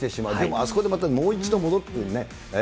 あそこでまたもう一度戻って。